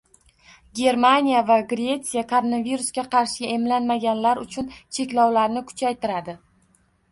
Germaniya va Gretsiya koronavirusga qarshi emlanmaganlar uchun cheklovlarni kuchaytiradi